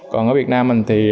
còn ở việt nam